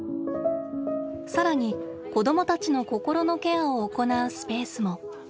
更に子どもたちのこころのケアをおこなうスペースも。